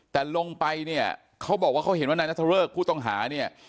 แต่ลงไปเนี่ยเขาบอกว่าเขาเห็นว่านายนัทเริกผู้ต้องหาเนี่ย